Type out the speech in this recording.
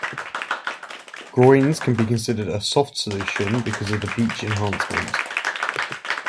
Groynes can be considered a "soft" solution because of the beach enhancement.